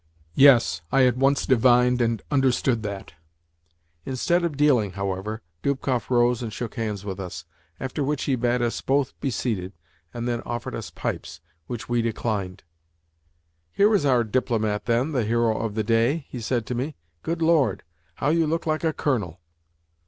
Yes, I at once divined and understood that. Instead of dealing, however, Dubkoff rose and shook hands with us; after which he bade us both be seated, and then offered us pipes, which we declined. "Here is our DIPLOMAT, then the hero of the day!" he said to me, "Good Lord! how you look like a colonel!"